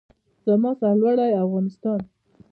زما سرلوړی افغانستان.